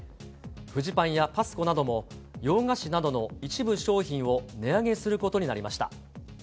フジパンやパスコなども洋菓子などの一部商品を値上げすることになりました。